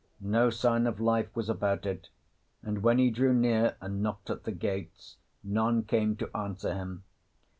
No sign of life was about it, and when he drew near and knocked at the gates none came to answer him.